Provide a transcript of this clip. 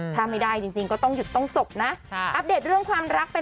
ถ้าไม่ได้จริงก็ต้องหยุดต้องจบนะ